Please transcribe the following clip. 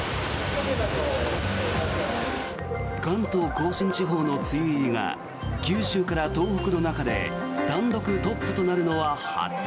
関東・甲信地方の梅雨入りが九州から東北の中で単独トップとなるのは初。